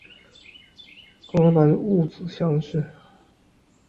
河南戊子乡试。